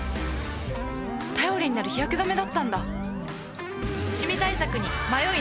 頼りになる日焼け止めだったんだ